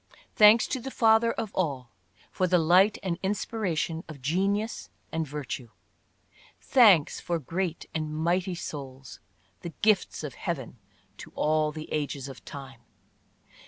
Thanks to the Father of all for the light and inspiratio7i of genius and virtue ! Thanks for great and mighty souls, the gifts of Heaven to all the ages of time